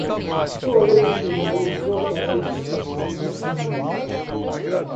"Sou eu quem ousou fazer isso?" disse o menino.